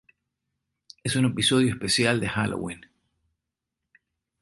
Es un episodio especial de Halloween.